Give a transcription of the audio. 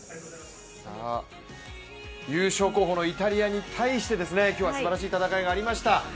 優勝候補のイタリアに対して今日はすばらしい戦いがありました。